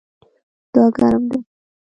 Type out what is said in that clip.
دا ګرم دی